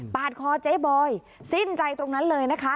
คอเจ๊บอยสิ้นใจตรงนั้นเลยนะคะ